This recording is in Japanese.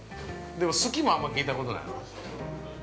でも、好きもあんまり聞いたことないやろ。